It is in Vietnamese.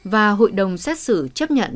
và hội đồng xét xử chấp nhận